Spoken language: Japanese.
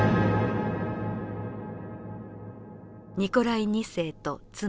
ニコライ２世と妻。